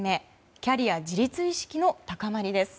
キャリア自立意識の高まりです。